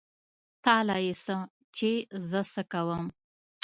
تا له يې څه چې زه څه کوم.